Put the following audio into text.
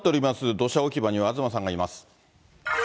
土砂置き場には東さんがいます。